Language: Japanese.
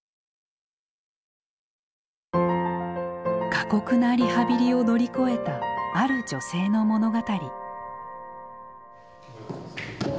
過酷なリハビリを乗り越えたある女性の物語。